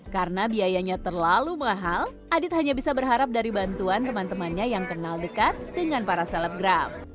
karena biayanya terlalu mahal adit hanya bisa berharap dari bantuan teman temannya yang kenal dekat dengan para selebgram